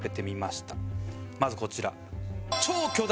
まずこちら。